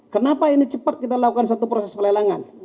kenapa ini cepat kita lakukan satu proses pelelangan